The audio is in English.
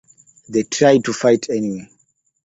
They try to fight anyway.